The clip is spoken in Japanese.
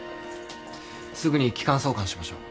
すぐに気管挿管しましょう。